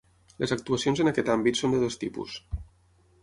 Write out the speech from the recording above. Les actuacions en aquest àmbit són de dos tipus.